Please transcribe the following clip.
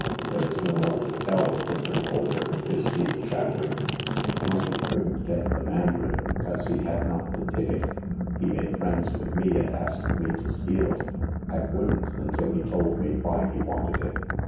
There is no more to tell," whimpered Bolker, his teeth chattering. Monkey couldn't get the mandarin, 'cause he had not the ticket. He made friends with me, and asked me to steal it. I wouldn't, until he told me why he wanted it.